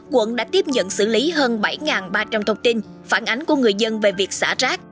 quận đã tiếp nhận xử lý hơn bảy ba trăm linh thông tin phản ánh của người dân về việc xả rác